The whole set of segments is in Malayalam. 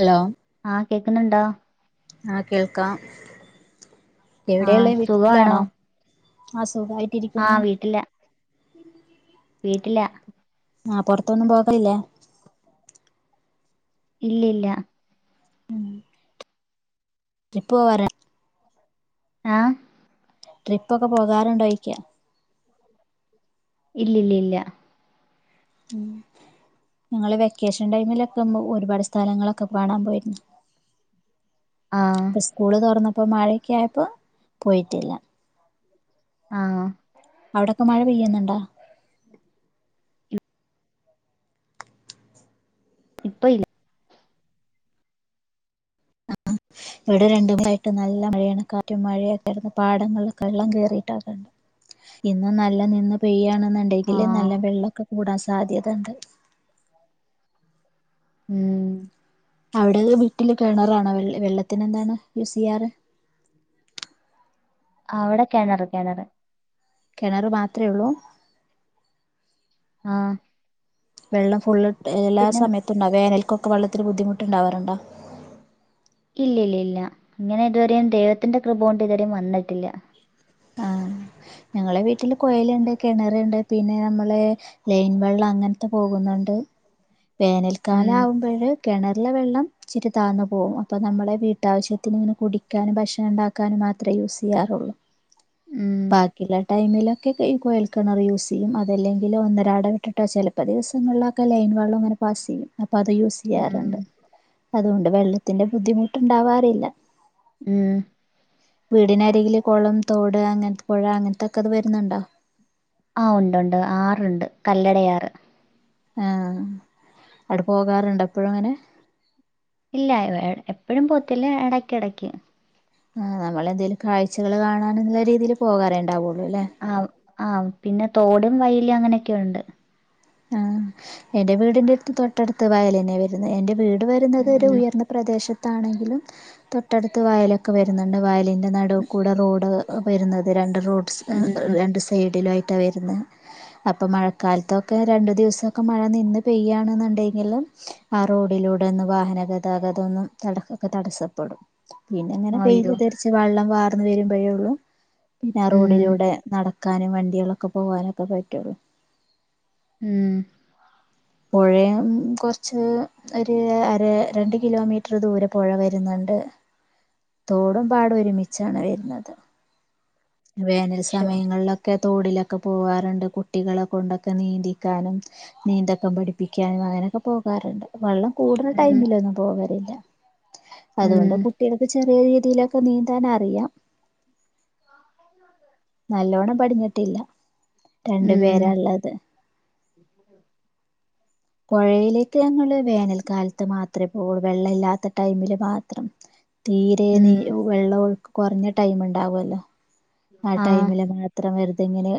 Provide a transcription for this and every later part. ഹലോ ആ കേക്കുന്നുണ്ടോ ആ കേൾക്കാം എവിടെയാ ആഹ് ഉള്ളെ സുഖമാണോ വീട്ടിലാണോ അ സു സുഖായിട്ടിരിക്കുന്നു വീട്ടിലാ ആ പൊറത്തൊന്നും പോകലിലേ ഇല്ലില്ല രിപ്പോ വരാ ആ ട്രിപ്പ ഒക്കെ പോകാറുണ്ടോയിക്ക ഇല്ല ഇല്ല ഇല്ല ഉ ഞങ്ങള് വെക്കേഷൻ ടൈമിലൊക്കെ ഒരുപാട് സ്ഥലങ്ങളൊക്കെ കാണാൻ പോയിരുന്നു ആഹ് ഇപ്പ സ്കൂള് തോറന്ന അപ്പൊ മഴക്ക ആയപ്പോ പോയിട്ടില്ല ആ അവിടൊക്കെ മഴ പെയ്യുന്നുണ്ടാ ഇപ്പൊ ഇ ആ ഇവിടെ രണ്ട ദിവസായിട്ട് നല്ല മഴയാണ് കാറ്റും മഴയൊക്കെ പാടങ്ങളിലൊക്കെള്ളം കേറിട്ടാക്കണ്ട് ഇന്ന് നല്ല നിന്ന് പെയ്യയാണെന്നുണ്ടെങ്കില് ആഹ് നല്ല വെള്ളൊക്കെ കൂടാൻ സാധ്യതുണ്ട് ഉം അവിടെ വീട്ടില് കെണറാണോെ വെള്ളത്തിന എന്താണ് യൂസ് ചെയ്യാറ് ആ അവിടെ കെണറ് കെണറ് കിണറ് മാത്രമേ ഉള്ളൂ ആ വെള്ളം ഫുള് എല്ലാ സമയത്തുണ്ടാ വേനൽക്കും വെള്ളത്തിന് ബുദ്ധിമുട്ടുണ്ടവാറുണ്ടോ? ഇല്ലില്ലില്ല ഇങ്ങനെ ഇതുവരെയും ദൈവത്തിന്റെ കൃപ കൊണ്ട് ഇതുവരെയും വന്നിട്ടില്ല. ആഹ് ഞങ്ങളെ വീട്ടില് കൊയലുണ്ട് കിണറുണ്ട് പിന്നെ നമ്മള ലൈൻ വെള്ളം അങ്ങനത്തെ പോകുന്നുണ്ട്. ഉം വേനൽക്കാലം ആകുമ്പോഴ് കിണ നല്ല വെള്ളം ച്ചിരി താന്നു പോകും അപ്പൊ നമ്മുടെ വീട്ടാവശ്യത്തിന് ഇങ്ങനെ കുടിക്കാനും ഭക്ഷണം ഉണ്ടാക്കാനും മാത്രമേ യൂസ് ചെയ്യാറുള്ളൂ. ഉം ബാക്കിലെ ടൈമിലൊക്കെ ഈ കൊഴൽക്കിണർ യൂസ് ചെയ്യും അതല്ലെങ്കിൽ ഒന്നരാട വിട്ടിട്ടോ ചിലപ്പോ ദിവസങ്ങളിലൊക്കെ ലൈൻ വെള്ളവും ഇങ്ങനെ പാസ്സ് ചെയ്യും. അപ്പോ അത് യൂസ് ഉം ചെയ്യാറുണ്ട് അതുകൊണ് വെള്ളത്തിന്റെ ബുദ്ധിമുട്ടുണ്ടാവാറില്ല. ഉം വീടിന എന്തില് കുളം ഇവിടെ അങ്ങനത്തെ പുഴ അങ്ങനത്തൊക്കെ അത് വരുന്നുണ്ടോ ആഹ് ഉണ്ടണ്ട് ആറുണ്ട് കല്ലട ആറ് ആഹ് അവിടെ പോകാറുണ്ടോ എപ്പോഴും അങ്ങനെ ഇല്ല എപ്പോഴും പോത്തില്ല ഇടക്ക് ഇടക്ക് ആഹ് നമ്മളെന്തേലും കാഴ്ചകൾ കാണാനുള്ള രീതിയിൽ പോകാറുണ്ട് ആഹ് ആഹ് പിന്നെ തോടും വൈ അങ്ങനെയൊക്കെ ഉണ്ട് ആഹ് എന്റെ വീടിന്റെ അടുത്ത് തൊട്ടടുത്ത് കായലന്നെ വരുന്നത് എന്റെ വീട് വരുന്നത് ഒരു ഉം ഉയർന്ന പ്രദേശത്ത് അടുത്താണെങ്കിലും തൊട്ടടുത്ത് വായലൊക്കെ വരുന്നുണ്ട് വയലി അയിന്റെ നട് കൂടെ റോഡ് വരുന്നത് രണ്ട് റോഡ് ഉം രണ്ട് സൈഡിലായി വരുന്നേ അപ്പൊ മഴക്കാലത്തൊ ഒക്കെ രണ്ടു ദിവസൊക്കെ മഴ നിന്ന് പെയ്യയാണെന്നുണ്ടെങ്കിലും ആ റോഡിലൂടെ ഒന്ന് വാഹന ഗതാഗത ഒന്നും ഒക്കെ തടസ്സപ്പെടും പിന്നെ ഇങ്ങനെ വെയിൽ അയ്യോ തർച്ച് വെള്ളം വാർന്ന് വരുമ്പോഴേള്ളു പിന്നെ ആ ഉം റോഡിലൂടെ നട വെക്കാനും വണ്ടികളൊക്കെ പോവാനൊക്കെ പറ്റുള്ളു ഉം പുഴയും കൊറച്ച് ഒരു അര രണ്ട് കിലോമീറ്റർ ദൂരെ പുഴ വരുന്നുണ്ട് തോടും പാട ഒരുമിച്ചാണ് വരുന്നത് വേനൽ ശോ സമയങ്ങളിലൊക്കെ തൊടിലൊക്കെ ക്കെ പോകാറുണ്ട് കുട്ടികളെ കൊണ്ടൊക്കെ നീന്തിക്കാനും നീന്തക്കം പഠിപ്പിക്കാനും അങ്ങനെയൊക്കെ പോകാറുണ്ട് വെള്ളം- കൂടുതൽ ഉം ടൈമിലൊന്നും പോകലില്ല അതുകൊണ്ട് ഉം കുട്ടികൾക്ക് ച- വേറേ രീതിയിലൊക്കെ നീന്താൻ അറിയാം നല്ലോണം പഠഞ്ഞിട്ടില്ല രണ്ടു ഉം പേരള്ളത് പുഴയിലേക്ക് ഞങ്ങള് വേനൽക്കാലത്ത് മാത്രമേ പോള്ളൂ വെള്ള ഇല്ലാത്ത ടൈമില് മാത്രം തീരെ ഉം നീ വെള്ളംൊഴുക്കും കുറഞ്ഞ ടൈം ഉണ്ടാവല്ലോ ആ ആഹ് ടൈമില് മാത്രം അങ്ങനെ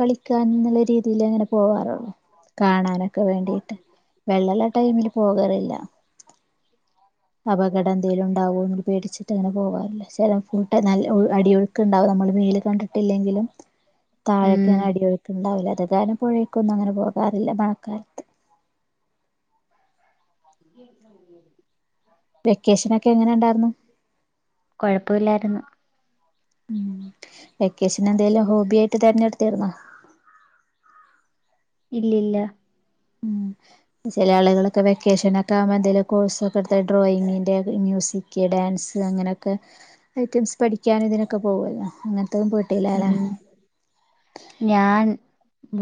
കളാ നല്ല രീതിയിൽ അങ്ങനെ പോകാറുള്ളു കാണാനൊക്കെ വേണ്ടിട്ട് പോകറില്ല അപകടം എന്തെങ്കിലും ഉണ്ടാവോ പേടിച്ചിട്ട് അങ്ങനെ പോവാാറില്ല ചിലംല്ല അടിയൊഴുക്ക് ഉണ്ടാവും നമ്മള് മേൽ കണ്ടിട്ടില്ലെങ്കിലും താഴൊക്ക ഉം അങ്ങനെ അടിയൊഴുക്ക് ഉണ്ടാവില്ല അതെ അാന പുഴേക്ക ഒന്നും അങ്ങനെ പോകാറില്ല മഴക്കാലത്ത് ഉ ഉ വെക്കേഷൻക്കെ കൊഴപ്പമില്ലായിരുന്നു ഉം വെക്കേഷൻ എന്തേലും ഹോബി ആയിട്ട് തതിരഞ്ഞെടുത്തിർുന്നോ ഇല്ല ഇല്ല ഉ ചില ആളുകളൊക്കെ വെക്കേഷനൊക്കെ ആവുമ്പോ എന്തേലും കോഴ്സ്ൊക്കെ എടുത്ത ഡ്രോയിങ്ങിന്റെ മ്യൂസിക് ഡാൻസ് അങ്ങനെയൊക്കെ ഐറ്റംസ് പഠിക്കാനും ഇതിനൊക്കെ പോകവല്ലോ അങ്ങനെ ഉം ഞാൻ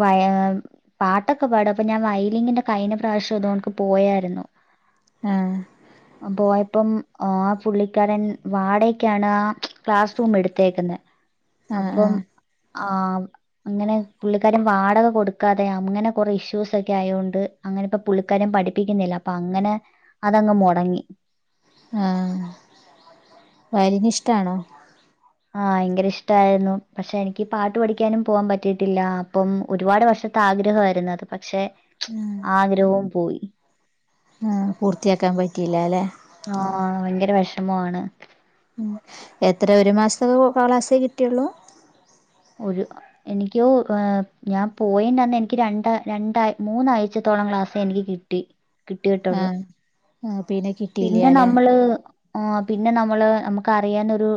വയ പാട്ടൊക്കെ പാട അപ്പൊ ഞാൻ വൈലിങ്ങിന്റെ കൈന്റെ പ്രാവശ്യംതോക്ക് പോയായിരുന്നു ആഹ പോയപ്പം ആ പുള്ളിക്കാരൻ വാടക്കാണ് ആ ക്ലാസ് റൂം എടുത്തേക്കുന്നത് ആഹ് അപ്പം ആഹ് ആ അങ്ങനെ പുള്ളിക്കാരും വാടക കൊടുക്കാതെ അങ്ങനെ കുറെ ഇഷ്യൂസ് ഒക്കെ ആയതോണ്ട് അങ്ങനെ ഇപ്പ പുള്ളിക്കാരും പഠിപ്പിക്കുന്നില്ല അപ്പൊ അങ്ങനെ അതങ്ങ് മോ തുങ്ങി ആഹ വരിിന ഇഷ്ടാണോ ആഹ ഭയങ്കര ഇഷ്ടായിരുന്നു പക്ഷെ എനിക്ക് പാട്ട് പഠിക്കാനും പോവാാൻ പറ്റിട്ടില്ല അപ്പം ഒരുപാട് വർഷത്ത് ആഗ്രഹമായിരുന്നു അത് പക്ഷെ ആ ആഗ്രഹവും പോയി ആ പൂർത്തിയാക്കാൻ പറ്റിയില്ല അല്ലെ ഇഷ്ടണ് ഉ എത്ര ഒരു മാസത്തൊക്കെ ക്ലാസേ കിട്ടിയുള്ളൂ ഒരു എനിക്കോ ഞാൻ പോയിണ്ടന്ന് എനിക്ക് രണ്ട രണ്ട മൂന്നാഴ്ചത്തോളം ക്ലാസ്സ് എനിക്ക് കിട്ടി കിട്ടി കിട്ടുള്ളൂ ആ പിന്നെ നമ്മള് ആ പിന്നെ നമ്മള് നമുക്ക് അറിയാൻ ഒരു്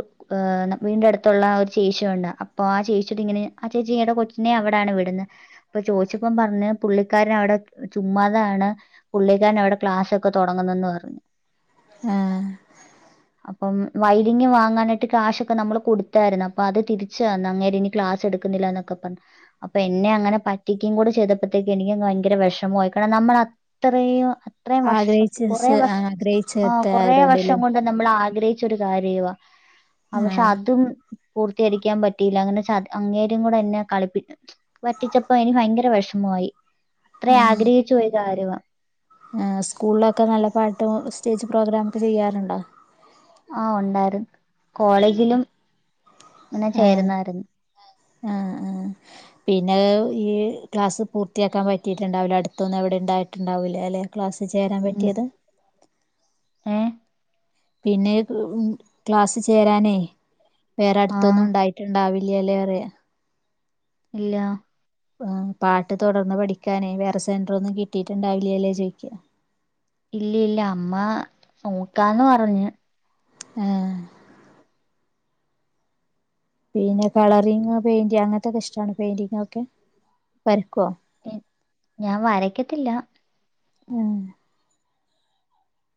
വീന്റെ അടുത്തുള്ള ഒരു ചേശിയുണ്ട് അപ്പൊ ആ ചേച്ചിട്ട ഇങ്ങനെ ആ ചേച്ചി ടെ കൊച്ചിനെ അവിടാണ് വിടുന്നത് അപ്പൊ ചോച്ചിച്ചിപ്പം പറഞ്ഞഞ് പുള്ളിക്കാരൻ അവിടെ ചുമ്മാതാണ് പുള്ളിക്കാരൻ അവിടെ ക്ലാസ്ൊക്കെ തുടങ്ങുന്നന്ന് പറഞ്ഞു ആഹ് അപ്പം വൈലിംഗങ് വാങ്ങാനായിട്ട് ക്യാഷ്ൊക്കെ നമ്മള് കൊടുത്തായിരുന്നു അപ്പൊ അത് തിരിച്ചു തന്ന അങ്ങേര ഇനി ക്ലാസ് എടുക്കുന്നില്ലന്നൊക്കെ പറഞ്ഞു അപ്പൊ എന്നെ അങ്ങനെ പറ്റിക്കയും കൂടെ ചെയ്തപ്പോഴത്തേക്ക് എനിക്ക് ഭയങ്കര വിഷമമായി കാരണം നമ്മള അത്രയും ആഗ്രഹിച്ചു ആഗ്രഹിച്ചു ആ കുറേ വർഷം കൊണ്ട് നമ്മള്- ആഗ്രഹിച്ചൊരു കാര്യവാ ആ പക്ഷെ ആഹ് അതും പൂർത്തീകരിക്കാൻ പറ്റിയില്ല അങ്ങനെ അങ്ങേരും കൂടെ എന്നെ കളിപ്പി പറ്റിച്ചപ്പോ ഇനി ഭയങ്കര വിഷമമായി അത്ര ആഗ്രഹിച്ചു പോയി കാര്യമാണ് ആ സ്കൂളിലൊക്കെ നല്ല പാട്ടും- സ്റ്റേജ്പ്രോഗ്രാം ഒക്കെ ചെയ്യാറുണ്ടോ ആഹ് ഉണ്ടായിരുന്നു കോളേജിലും ഇങ്ങനെ ആ ചേരുന്നായിരുന്നു ആ ആ പിന്നെ ഈ ക്ലാസ് പൂർത്തിയാക്കാൻ പറ്റിട്ടുണ്ടാവില്ല അടുത്തൊന്നും എവിടെ ഉണ്ടായിട്ടുണ്ടാവില്ലേ അല്ലെ? ക്ലാസ് ചേരാൻ പറ്റിയത് ഏ? പിന്നെ ഉം ക്ലാസ്സ് ചേരാനേ. വേറെ അടുത്തൊന്നും ആഹ് ഉണ്ടായിട്ടുണ്ടാവി ലില്ല്യേറയാ. ഇല്ല ആ പാട്ട് തുടർന്ന് പഠിക്കാനേ വേറെ സെന്റർ ഒന്നും കിട്ടിട്ടുണ്ടാവില്ല്യാല്ലേ ചോയ്ക്കാ. ഇല്ല ഇല്ല അമ്മ നോക്കാന്ന് പറഞ്ഞ്, ആഹ് പിന്നെ കളറിങ് പെയിന്റി അങ്ങനത്തൊക്കെ ഇഷ്ടാണ് പെയിൻ്റിംഗ് ഒക്കെ വരക്കുവോ? ഞാൻ വരക്കത്തില്ല, ഉം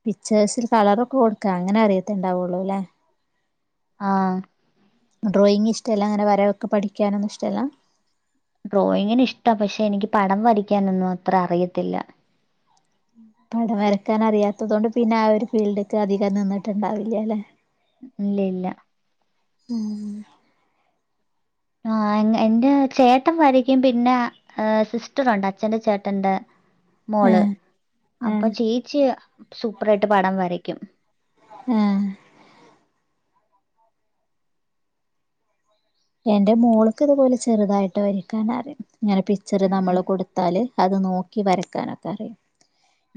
പിക്ചേഴ്സിൽ കളറ ഒക്കെ കൊടുക്കാ അങ്ങനെ അറിയത്ത്ണ്ടാവുള്ളൂ അല്ലേ? ആ ഡ്രോയിങ്ങ് ഇഷ്ടല്ല അങ്ങനെ വരവൊക്കെ പഠിക്കാനൊന്നും ഇഷ്ടമല്ല? ഡ്രോയിങ്ങിന് ഇഷ്ട പക്ഷെ എനിക്ക് പടം വരിക്കാനൊന്നും അത്ര അറിയത്തില്ല. പടം വരക്കാൻ അറിയാത്തത് കൊണ്ട് പിന്നെ ആ ഒരു ഫീൽഡ്ക്ക് അധികം നിന്നിട്ടുണ്ടാവില്ലല്ലെ? ഇല്ല ഇല്ല ഉം ആ എന്റെ ചേട്ടൻ വരക്കും പിന്നെ ഏഹ് സിസ്റ്ററുണ്ട് അച്ഛന്റെ ചേട്ടൻ്റെ മോള് അപ്പൊ ആഹ് ചേച്ചി സൂപ്പറായിട്ട് പടം വര ക്കും ഏഹ് എൻ്റെ മോൾക്ക് ഇതുപോലെ ചെറുതായിട്ട് വരക്കാൻ അറിയും ഇങ്ങനെ പിക്ചർ ഉം. നമ്മള് കൊടുത്താൽ അത് നോക്കി ക്കി വരക്കാനൊക്കെ അറിയും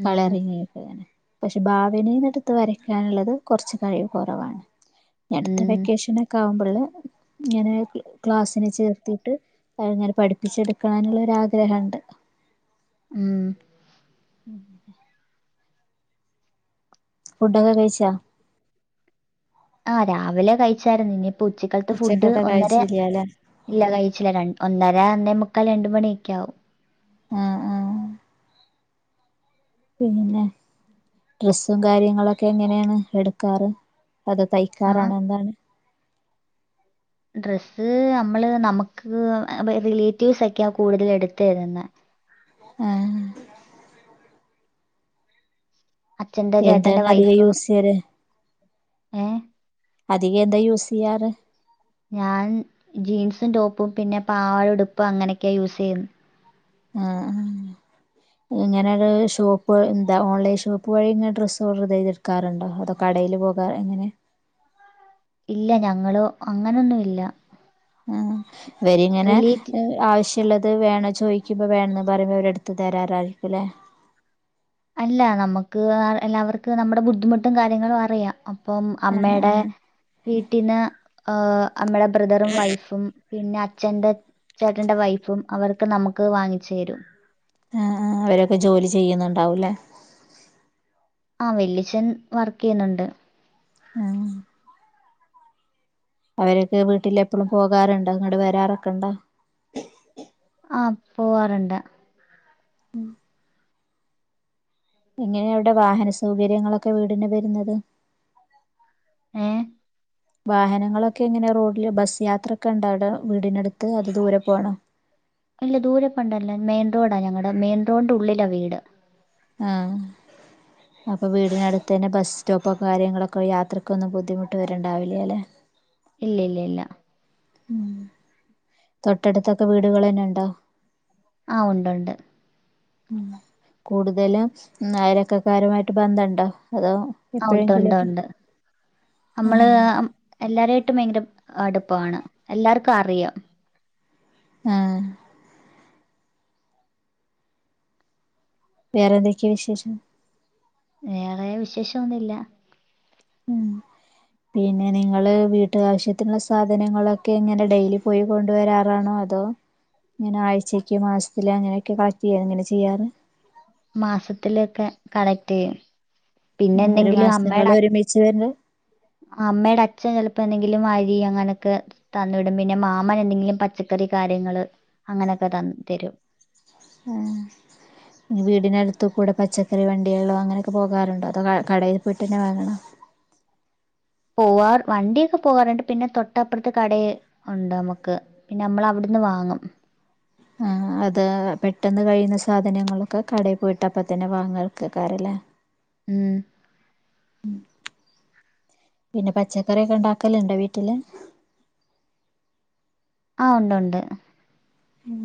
ഉം. കളറങ്ങിക്കെ അങ്ങനെ പക്ഷെ ഭാവിന് എടുത്ത് വരയ്ക്കാനുള്ളത് കൊർച്ച് കഴിവ് കുറവാണ് ഇനി അട്ത്ത ഉം. വെക്കേഷൻ ഒക്കെ ആവുമ്പോ ള്ള് ഇങ്ങനെ ക്ലാസ്സിന് ചേർത്തിട്ട് ഇങ്ങനെ പഠിപ്പിച്ചെടുക്കാനുള്ള ഒരാഗ്രഹുണ്ട് ഉം [unintelligible] ഫുഡൊക്കെ കഴിച്ചാ ആ രാവിലെ കഴിച്ചാരുന്നു ഇനിപ് ഉച്ചക്കളത്ത് ഫുഡ് ഉച്ചക്കത്തെ ഒന്നര കഴിച്ചില്ലല്ലേ ഇല്ല കഴിച്ചില്ല ര ഒന്നര ഒന്നേമുക്കാൽ രണ്ട് മണിയൊക്കെ ആവും ആ ആ പിന്നെ ഡ്രസ്സും കാര്യങ്ങളൊക്കെ എങ്ങനെയാണ് എടുക്കാറ് അത് ആഹ്. തയ്ക്കാറാണ് എന്താണ് ഡ്രസ്സ് നമ്മള് നമുക്ക് റിലേറ്റീവ്സ് ഒക്കെയാ കൂടുതൽ എടുത്ത് തരുന്നത് ആ അച്ഛന്റെ ചേട്ടന്റെ എന്താണ് അധികം വൈഫ് യൂസ് ചെയ്യല് ഏ അധികം എന്താ യൂസ് ചെയ്യാറ് ഞാൻ ജീൻസും ടോപ്പും പിന്നെ പാവ ഉടുപ്പും അങ്ങനൊക്കെയാ യൂസ് ചെയ്യുന്നെ ആ ഇങ്ങനെ ഒരു ഷോപ്പ് എന്താ ഓൺലൈൻ ഷോപ്പ് വഴി ഇങ്ങനെ ഡ്രസ്സ് ഓർഡർ ചെയ്തെടുക്കാറുണ്ടോ അതൊ കടേല് പോകാറ് എങ്ങനെ ഇല്ല ഞങ്ങളോ അങ്ങനൊന്നും ഇല്ല ആ വരി ഇങ്ങനെ ആവശ്യ ള്ളത് വേണോ ചോദിക്കുമ്പോ വേണെന്ന് പറയുമ്പോ അവരെടുത്ത് തരാറായിരിക്കുംല്ലേ അല്ല നമുക്ക് എല്ലാവർക്ക് നമ്മുടെ ബുദ്ധിമുട്ടും കാര്യങ്ങളും അറിയാം അപ് അപ്പം ആഹ് അമ്മേടെ ആഹ് വീട്ടീന് ആ അമ്മെടെ ബ്രദറും വൈഫും പിന്നെ അച്ഛന്റെ ചേട്ടന്റെ വൈഫും അവരൊക്കെ നമുക്ക് വാങ്ങിച്ചു തരും ആ ആ അവരൊക്കെ ജോലി ചെയ്യുന്നുണ്ടാവൂലേ ആ വല്യച്‌ഛൻ വർക്ക് ചെയ്യുന്നുണ്ട് അ അവരൊക്കെ വീട്ടിൽ എപ്പോളും പോകാറുണ്ടോ ഇങ്ങട് വരാറൊക്കെയൊണ്ടാ ആ പോവാറുണ്ട് എങ്ങനെയ അവിടെ വാഹന സൗകര്യങ്ങളൊക്കെ വീടിന് വരുന്നത് ഏഹ് വാഹനങ്ങളൊക്കെ എങ്ങനെയാ റോഡില് ബസ്സ് യാത്രൊക്കെ ഉണ്ടോ അവിടെ വീടിനടുത്ത് അത് ദൂരെ പോണോ അല്ല ദൂരെ പോണ്ടല്ല മെയിന് റോഡാ ഞങ്ങടെ മെയിന് റോഡിന്റെ ഉള്ളിലാ വീട് ആ അപ്പൊ വീടിനടുത്ത് തന്നെ ബസ് സ്റ്റോപ്പോ കാര്യങ്ങളൊക്കെ യാത്രക്കൊന്നും ബുദ്ധിമുട്ട് വരണ്ടാവില്ലൃല്ലേ ഇല്ല ഇല്ല ഇല്ല ഉം തൊട്ടടുത്താ ക്കെ വീടുകൾ തന്നെ ഉണ്ടോ ആഹ് ഉണ്ടുണ്ട്. ഉം കൂടുതലും അയൽവക്കക്കാരുമായിട്ട് ബന്ധമുണ്ടോ ആ ഉണ്ട് ഉണ്ട് ഉണ്ട് നമ്മള് ആഹ് എല്ലാരെ ട്ടും ഭയങ്കരം അട്പ്പാണ് എല്ലാർക്കു അറിയാം ആ വേറെന്തൊക്കെയാ വിശേഷം വേറെ വിശേഷൊന്നുല്ല ഉം പിന്നെ നിങ്ങള് വീട്ട് ആവശ്യത്തിനുള്ള സാധനങ്ങളൊക്കെ ഇങ്ങനെ ഡെയിലി പോയി കൊണ്ട് വരാറാണോ അതോ ഇങ്ങനെ ആഴ്ചക്ക് മാസത്തില് അങ്ങനെയൊക്കെ കളക്ട് ചെയ്യ എങ്ങനെ ചെയ്യാറ് മാസത്തിലൊക്കെ കളക്ട് ചെയ്യും പിന്നെ ആഹ് ഒരു എന്തെങ്കിലും മാസത്തേക്കുള്ള അമ്മേടെ അ ഒരുമിച്ച് തന്നെ അമ്മേടെ അച്ഛൻ ചെലപ്പോ എന്തെ അരി അങ്ങനൊക്കെ തന്നു വിടും പിന്നെ മാമൻ എന്തെങ്കിലും പച്ചക്കറി കാര്യങ്ങള് അങ്ങനൊക്കെ തരും ആഹ് വീടിനടുത്ത് കൂടെ പച്ചക്കറി വണ്ടികളോ അങ്ങനെയൊക്കെ പോകാറുണ്ടോ അതോ കടയിൽ പോയിട്ട് തന്നെ വാങ്ങണോ പോവാറു വണ്ടിയൊക്കെ പോവാറുണ്ട് പിന്നെ തൊട്ടപ്പുറത്ത് കട ഉണ്ട് നമ്മക്ക് പിന്നെ നമ്മൾ അവിടുന്ന് വാങ്ങും ആ അത് പെട്ടെന്ന് കഴിയുന്ന സാധനങ്ങളൊക്കെ കടയിൽ പോയിട്ടപ്പ തന്നെ വാങ്ങക്കക്കാറല്ലേ ഉം ഉം പിന്നെ പച്ചക്കറിയൊക്കെ ഇണ്ടാക്കല് ണ്ടോ വീട്ടില് ആ ഉണ്ട് ഉണ്ട് ഉം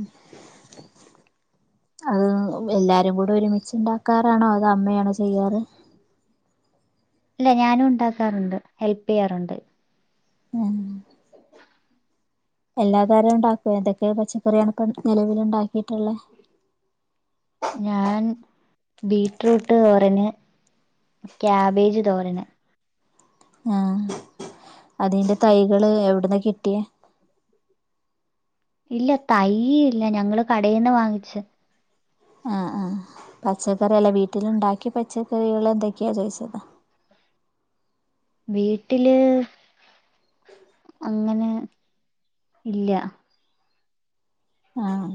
അത് എല്ലാരും കൂടെ ഒരുമിച്ച്ണ്ടാക്കാറാണോ അത് അമ്മയാണോ ചെയ്യാറ് അല്ല ഞാനും ഉണ്ടാക്കാറുണ്ട് ഹെല്പ് ചെയ്യാറുണ്ട് ഉം എല്ലാ കാര്യം ഉണ്ടാക്കുവോ എന്തൊക്കെ പച്ചക്കറിയാണ് ഇപ്പ നിലവൽ ഇണ്ടാക്കിട്ടുള്ളത് ഞാൻ ബീറ്റ്റൂട്ട്തോരന് കാബേജ് തോരന് ആ അതിന്റ തൈകള് എവിടന്നാ കിട്ടിയ ഇല്ല തൈ ഇല്ല ഞങ്ങള് കടയിന്ന് വാങ്ങിച്ച ആഹ് ആഹ് പച്ചക്കറിയല്ല വീട്ടിലുണ്ടാക്ക്യ പച്ചക്കറികളെന്തൊക്ക്യാ ചോയിച്ചതാ വീട്ടില് അങ്ങനെ ഇല്ല്യ ആഹ്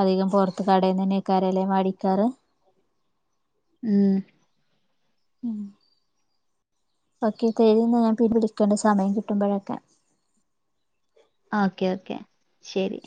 അധികം പൊറത്ത് കടേന്നന്നേയിക്കാരല്ലേ മേടിക്കാറ് ഉം ഉം ഓക്കേ ശെരീന്ന ഞാൻ പിന്നെ വിളിക്കണ്ട് സമയം കിട്ടുമ്പഴക്കെ ഓക്കെ ഓക്കെ ശരി